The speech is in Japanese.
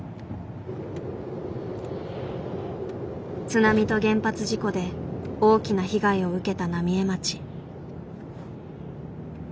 津波と原発事故で大きな被害を受けた浪江町。